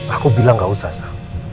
aku bilang gak usah sah